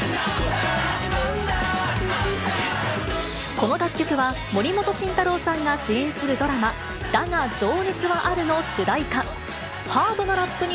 この楽曲は森本慎太郎さんが主演するドラマ、だが、情熱はあるの主題歌。